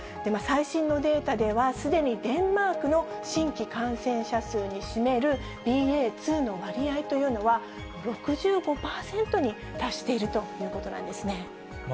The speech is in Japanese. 最新のデータでは、すでにデンマークの新規感染者数に占める、ＢＡ．２の割合というのは、６５％に達しているということなんですね。